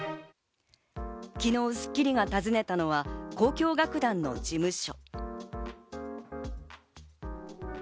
昨日『スッキリ』が訪ねたのは交響楽団の事務所。